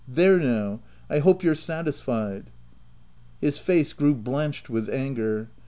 There now ! I hope you're satisfied." His face grew blanched with anger.